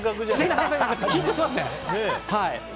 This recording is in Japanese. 緊張しますね。